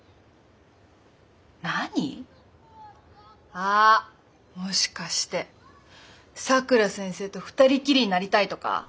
あっもしかしてさくら先生と二人っきりになりたいとか？